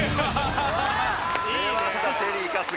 出ましたチェリー春日。